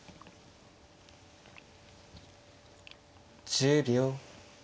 １０秒。